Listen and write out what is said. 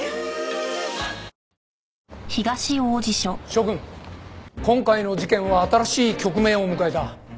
諸君今回の事件は新しい局面を迎えた。